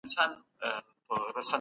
ټول ښکاریان وه